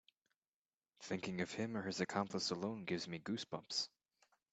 Thinking of him or his accomplice alone gives me goose bumps.